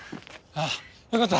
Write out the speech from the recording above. ああよかった。